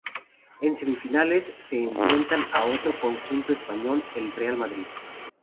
En semifinales se enfrentan a otro conjunto español, el Real Madrid.